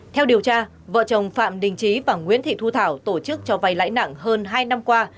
theo điều tra vợ chồng phạm đình trí và nguyễn thị thu thảo tổ chức cho vay lãi nặng hơn hai năm qua